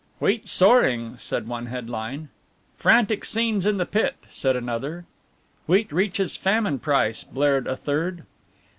"Wheat soaring," said one headline. "Frantic scenes in the Pit," said another. "Wheat reaches famine price," blared a third.